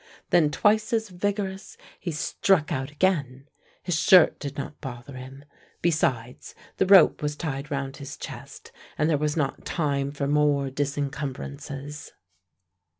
Then twice as vigorous, he struck out again. His shirt did not bother him: besides, the rope was tied round his chest, and there was not time for more disencumbrances.